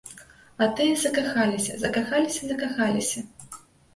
А тыя закахаліся, закахаліся, закахаліся!